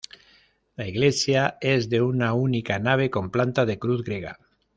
La iglesia es de una única nave con planta de cruz griega.